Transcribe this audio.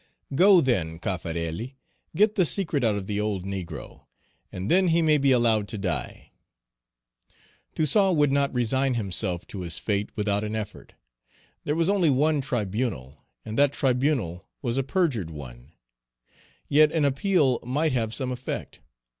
"Go, then, Cafarelli, get the secret out of the old negro, and then he may be allowed to die." Toussaint would not resign himself to his fate without an effort. There was only one tribunal, and that tribunal was a Page 279 perjured one. Yet an appeal might have some effect.